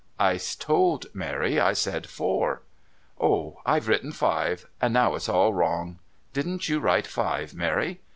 "I told Mary I said four " "Oh, I've written five and now it's all wrong. Didn't you write five, Mary?"